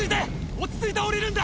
落ち着いて下りるんだ。